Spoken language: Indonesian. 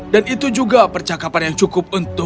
dan itu juga percakapanku